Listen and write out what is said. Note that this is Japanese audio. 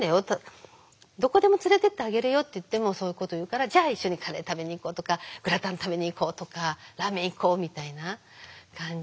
どこでも連れてってあげるよ」って言ってもそういうこと言うから「じゃあ一緒にカレー食べに行こう」とか「グラタン食べに行こう」とか「ラーメン行こう」みたいな感じで。